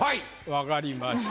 わかりました。